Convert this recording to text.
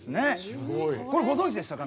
すごい。これご存じでしたか？